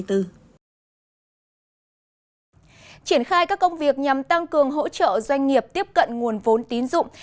triển khai các công việc nhằm tăng cường hỗ trợ doanh nghiệp tiếp cận nguồn vốn tín dụng